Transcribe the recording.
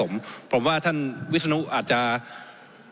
ผมจะขออนุญาตให้ท่านอาจารย์วิทยุซึ่งรู้เรื่องกฎหมายดีเป็นผู้ชี้แจงนะครับ